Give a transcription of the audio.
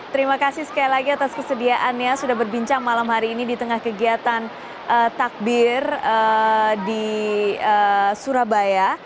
terima kasih sekali lagi atas kesediaannya sudah berbincang malam hari ini di tengah kegiatan takbir di surabaya